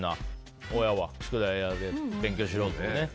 親は、宿題やれ、勉強しろってね。